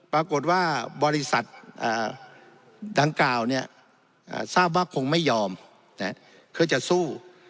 ปรากฏว่าบริษัทดังกล่าวทราบว่าคงไม่ยอมเคยจะสู้